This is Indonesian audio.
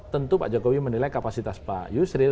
tentu pak jokowi menilai kapasitas pak yusril